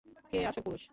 কে আসল পুরুষ?